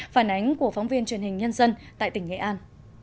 phản ánh của phóng viên truyền hình nhân dân tại tỉnh nghệ an